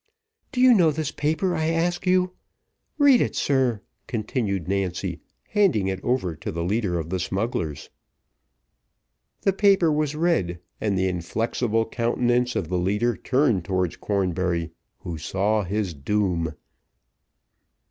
"Do you know this paper, I ask you? Read it, sir," continued Nancy, handing it over to the leader of the smugglers. The paper was read, and the inflexible countenance of the leader turned towards Cornbury, who saw his doom.